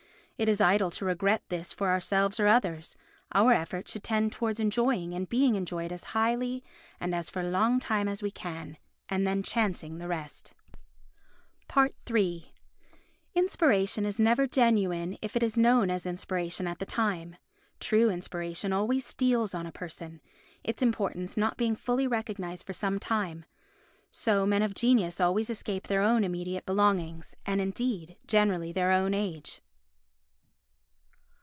It is idle to regret this for ourselves or others, our effort should tend towards enjoying and being enjoyed as highly and for as long time as we can, and then chancing the rest. iii Inspiration is never genuine if it is known as inspiration at the time. True inspiration always steals on a person; its importance not being fully recognised for some time. So men of genius always escape their own immediate belongings, and indeed generally their own age.